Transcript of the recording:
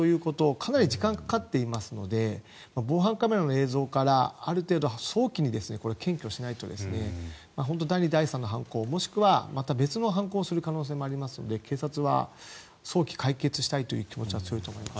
かなり時間がかかっていますので防犯カメラの映像からある程度、早期に検挙しないと第２、第３の犯行もしくはまた別の犯行をする可能性もありますので警察は早期解決したいという気持ちはあると思います。